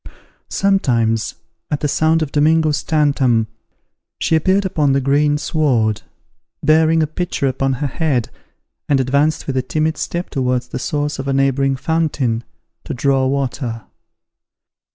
Sometimes at the sound of Domingo's tantam she appeared upon the green sward, bearing a pitcher upon her head, and advanced with a timid step towards the source of a neighbouring fountain, to draw water.